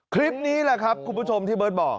คลิปนี้แหละครับคุณผู้ชมที่เบิร์ตบอก